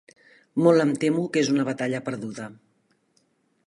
Molt em temo que és una batalla perduda.